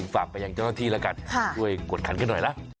ฝากไปยังเจ้าหน้าที่แล้วกันช่วยกดขันกันหน่อยนะ